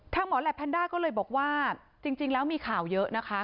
หมอแหลปแพนด้าก็เลยบอกว่าจริงแล้วมีข่าวเยอะนะคะ